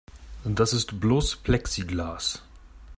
Das ist bloß Plexiglas.